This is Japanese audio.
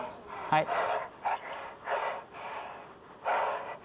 はい。